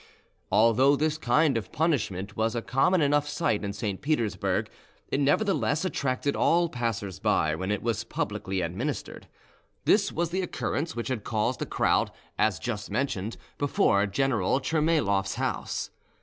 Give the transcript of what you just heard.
Although this kind of punishment was a common enough sight in St. Petersburg, it nevertheless attracted all passers by when it was publicly administered. This was the occurrence which had caused a crowd, as just mentioned, before General Tchermayloff's house.